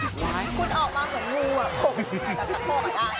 คุณออกมาเหมือนงูอะจัดโทรมาได้